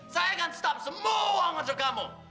saya akan berhenti semua uang untuk kamu